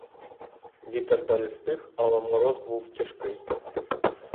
Вітер далі стих, але мороз був тяжкий.